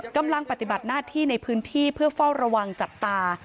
กำลังปฏิบัติหน้าที่ในพื้นที่เพื่อเฝ้าระวังจับตา